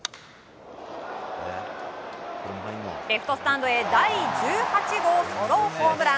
レフトスタンドへ第１８号ソロホームラン。